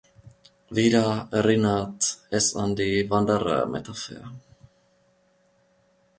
Wieder erinnert es an die Wanderer-Metapher.